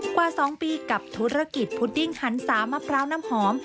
กว่า๒ปีกับธุรกิจพุดดิ้งหันสามะพร้าวน้ำหอม